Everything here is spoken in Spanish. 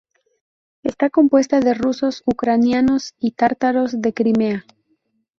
Está compuesta de rusos, ucranianos y tártaros de Crimea.